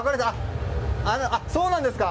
そうなんですか！